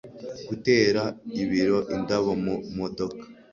gutera ibiro indabo mu modoka